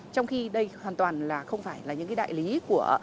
trong khi đây hoàn toàn không phải là những đại lý của